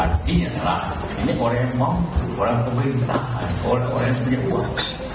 artinya adalah ini orang yang mau orang yang pemerintahan orang orang yang punya kuat